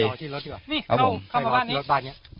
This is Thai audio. นี่เข้ามารับบ้านนี้